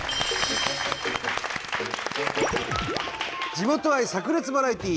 地元愛さく裂バラエティー！